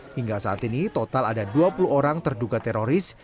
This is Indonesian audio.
hingga saat ini total ada dua puluh orang terduga teroris